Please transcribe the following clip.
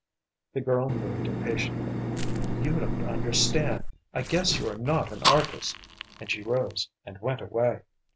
The girl moved impatiently. "You don't understand. I guess you are not an artist," and she rose and went away.